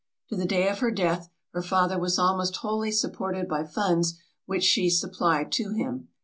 To the day of her death her father was almost wholly supported by funds which she supplied to him.